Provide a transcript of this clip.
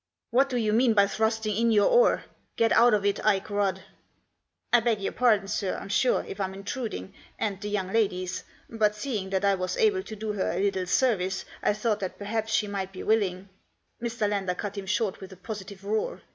" What do you mean by thrusting in your oar ? Get out of it, Ike Rudd !"" I beg your pardon, sir, I'm sure, if I'm intruding, and the young lady's ; but, seeing that I was able to do her a little service, I thought that perhaps she might be willing " Mr. Lander cut him short with a positive roar.